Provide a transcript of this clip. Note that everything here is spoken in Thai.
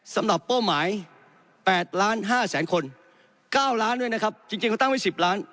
เป้าหมาย๘ล้าน๕แสนคน๙ล้านด้วยนะครับจริงเขาตั้งไว้๑๐ล้าน